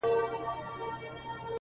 د ها بل يوه لكۍ وه سل سرونه!!